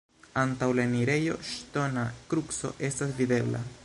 Antaŭ la enirejo ŝtona kruco estas videbla.